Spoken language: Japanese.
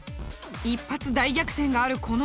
一発大逆転があるこの競技。